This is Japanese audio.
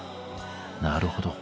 なるほど。